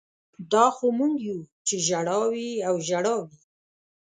دا خو موږ یو چې ژړا وي او ژړا وي